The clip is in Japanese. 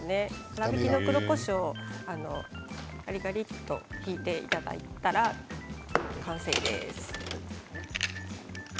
粗びきの黒こしょうをがりがりっとひいていただいたら完成です。